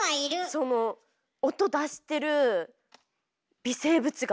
その音出してる微生物が。